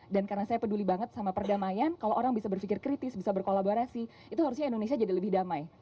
dan karena saya peduli banget sama perdamaian kalau orang bisa berpikir kritis bisa berkolaborasi itu harusnya indonesia jadi lebih damai